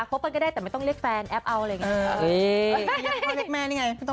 บกันก็ได้แต่ไม่ต้องเรียกแฟนแอปเอาอะไรอย่างนี้